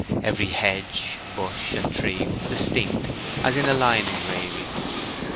Every hedge, bush, and tree was distinct as in a line engraving.